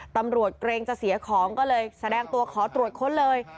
เกรงจะเสียของก็เลยแสดงตัวขอตรวจค้นเลย